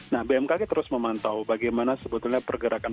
nah bmkg terus memantau bagaimana sebetulnya pergerakan